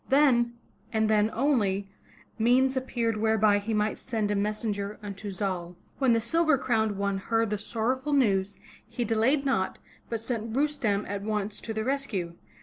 Then, and then only, means appeared whereby he might send a messenger unto Zal. When the Silver Crowned One heard the sorrowful news, he delayed not, but sent Rustem at once to the rescue.